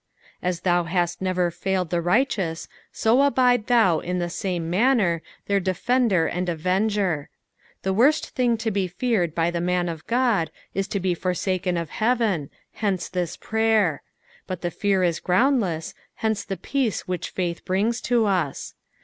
'' As thou hast never failed the righteous, so abide thou in the same manner their defender and avenger. The worst thing to be feared by the man of God is to be forsaken of heaven, hence this prayer ; but the fear is groundless, hence the peace which faith brings to us.